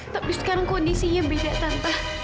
tapi sekarang kondisi yg beda tante